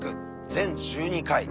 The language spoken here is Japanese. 全１２回。